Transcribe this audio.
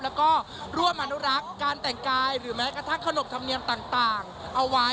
แล้วก็ร่วมอนุรักษ์การแต่งกายหรือแม้กระทั่งขนบธรรมเนียมต่างเอาไว้